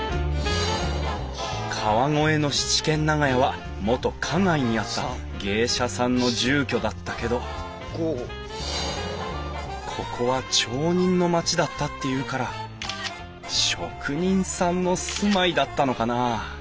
川越の七軒長屋は元花街にあった芸者さんの住居だったけどここは町人の町だったっていうから職人さんの住まいだったのかな？